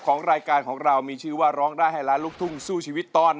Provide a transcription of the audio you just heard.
ของรายการของเรามีชื่อว่าร้องได้ให้ล้านลูกทุ่งสู้ชีวิตตอน